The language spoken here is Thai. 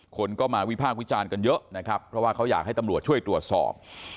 คนก็มาวิพากษ์วิจารณ์กันเยอะนะครับเพราะว่าเขาอยากให้ตำรวจช่วยตรวจสอบ